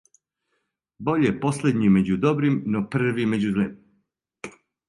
Боље последњи међу добрим, но први међу злим.